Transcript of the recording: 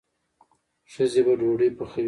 ښځې به ډوډۍ پخوي.